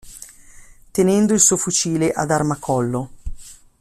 Tenendo il suo fucile ad armacollo.